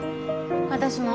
私も。